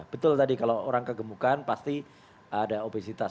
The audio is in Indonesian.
betul tadi kalau orang kegemukan pasti ada obesitas